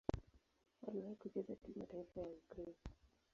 Aliwahi kucheza timu ya taifa ya Ukraine.